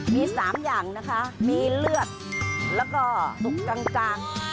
มี๓อย่างนะคะมีเลือดแล้วก็สุกกลาง